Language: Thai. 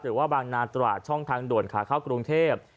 หรือว่าบางนาตราดช่องทางด่วนขาเข้ากรุงเทพ